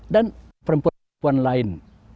dan perempuan perempuan lain